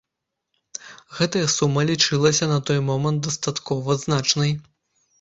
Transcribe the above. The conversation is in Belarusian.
Гэтая сума лічылася на той момант дастаткова значнай.